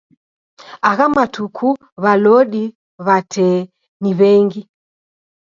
Agha matuku w'alodi w'a tee ni w'engi